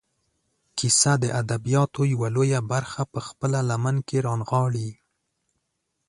کیسه د ادبیاتو یوه لویه برخه په خپله لمن کې رانغاړي.